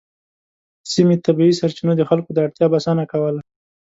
د سیمې طبیعي سرچینو د خلکو د اړتیا بسنه کوله.